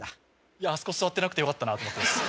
いやあそこ座ってなくてよかったなと思ってます